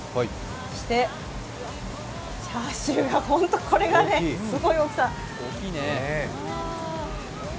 そして、チャーシューがホントこれがすごい大きさ。